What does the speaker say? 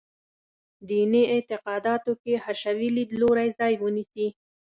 دیني اعتقاداتو کې حشوي لیدلوری ځای ونیسي.